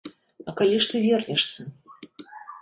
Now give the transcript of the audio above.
А калі ж ты вернешся?